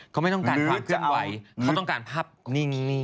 เขาไม่ต้องการความเจ้าไหวเขาต้องการภาพนิ่งนี่